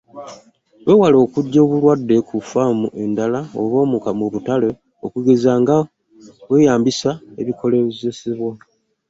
Weewale okuggya obulwadde ku faamu endala oba mu butale, okugeza nga weeyazika ebikozesebwa.